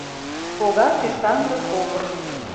Погаш ÿшанле погым.